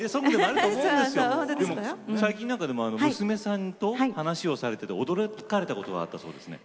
でも最近娘さんと話をされてて驚かれたことがあったそうですね。